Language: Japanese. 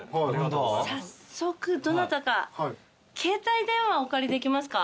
早速どなたか携帯電話お借りできますか？